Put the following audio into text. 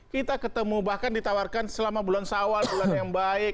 kita ketemu bahkan ditawarkan selama bulan sawal bulan yang baik